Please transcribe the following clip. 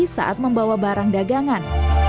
saat membawa barang dagangan